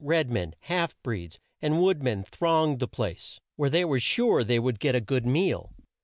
Red men, half breeds, and wood men thronged the place, where they were sure they would get a good meal.